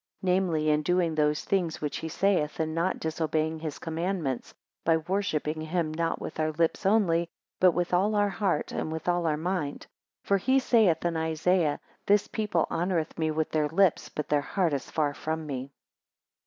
Namely, in doing those things which he saith, and not disobeying his commandments by worshipping him not with our lips only, but with all our heart, and with all our mind. For he saith in Isaiah; This people honoureth me with their lips, but their heart is far from me.